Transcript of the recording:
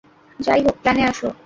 যাই হোক, প্ল্যানে আসো।